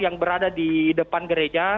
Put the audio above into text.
yang berada di depan gereja